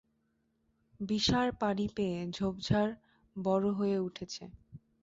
বিষাঁর পানি পেয়ে ঝোপঝাড় বড় হয়ে উঠেছে।